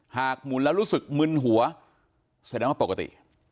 หมุนแล้วรู้สึกมึนหัวแสดงว่าปกติ